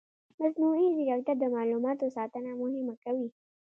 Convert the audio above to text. مصنوعي ځیرکتیا د معلوماتو ساتنه مهمه کوي.